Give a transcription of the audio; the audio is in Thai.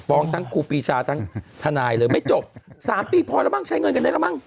ทั้งครูปีชาทั้งทนายเลยไม่จบ๓ปีพอแล้วบ้างใช้เงินกันได้แล้วมั้ง